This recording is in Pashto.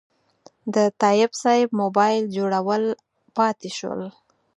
د تایب صیب موبایل جوړول پاتې شول.